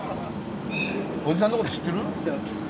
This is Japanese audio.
おじさんのこと知ってる？